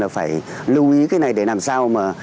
phải lưu ý cái này để làm sao mà